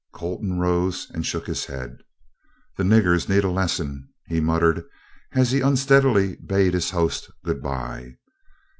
Colton rose and shook his head. "The niggers need a lesson," he muttered as he unsteadily bade his host good bye.